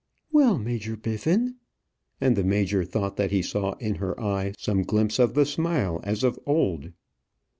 "Well, Major Biffin;" and the major thought that he saw in her eye some glimpse of the smile as of old.